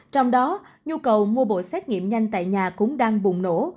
trong đó nhu cầu mua bộ xét nghiệm nhanh tại nhà cũng đang bùng nổ